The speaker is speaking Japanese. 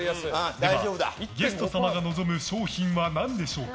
では、ゲスト様が望む賞品は何でしょうか？